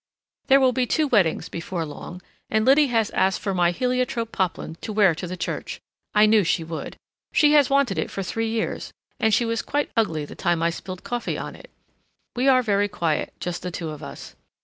There will be two weddings before long, and Liddy has asked for my heliotrope poplin to wear to the church. I knew she would. She has wanted it for three years, and she was quite ugly the time I spilled coffee on it. We are very quiet, just the two of us.